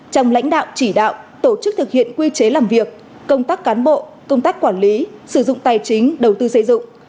trong lãnh đạo chỉ đạo tổ chức thực hiện quy chế làm việc công tác cán bộ công tác quản lý sử dụng tài chính đầu tư xây dựng